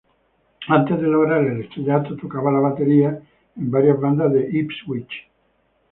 Antes de lograr el estrellato, tocaba la batería en varias bandas de Ipswich.